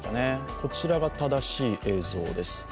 こちらが正しい映像です。